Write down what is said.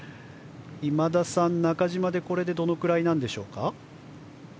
今田さん、中島でどのくらいでしょうか。